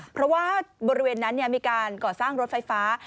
เพราะว่าบริเวณนั้นมีการก่อสร้างรถไฟฟ้า